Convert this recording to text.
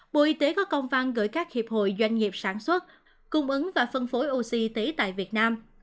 bộ y tế có công văn gửi các hiệp hội doanh nghiệp sản xuất cung ứng và phân phối oxy tại việt nam